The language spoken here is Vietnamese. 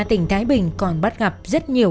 tỉnh thái bình còn bắt gặp rất nhiều